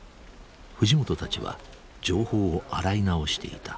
藤本たちは情報を洗い直していた。